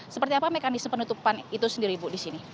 seperti apa mekanisme penutupan itu sendiri bu di sini